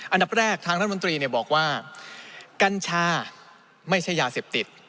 อันดับแรกทางรัฐมนตรีบอกว่ากัญชาไม่ใช่ยาเสพติด